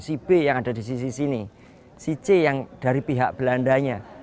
si b yang ada di sisi sini si c yang dari pihak belandanya